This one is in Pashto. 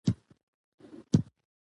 د قانون مراعت ثبات راولي